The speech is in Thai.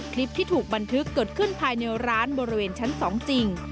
คลิปที่ถูกบันทึกเกิดขึ้นภายในร้านบริเวณชั้น๒จริง